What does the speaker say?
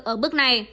ở bước này